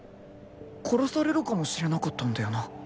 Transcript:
［殺されるかもしれなかったんだよな